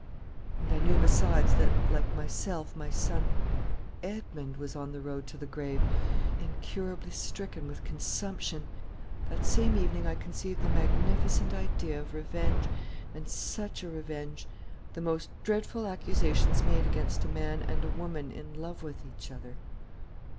And I knew besides that, like myself, my son Edmond was on the road to the grave, incurably stricken with consumption. "That same evening I conceived the magnificent idea of revenge. And such a revenge! The most dreadful of accusations made against a man and a woman in love with each other!